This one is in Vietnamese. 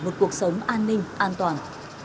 một cuộc sống an ninh an toàn